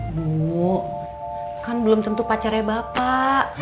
dulu kan belum tentu pacarnya bapak